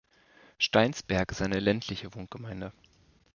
Steinsberg ist eine ländliche Wohngemeinde.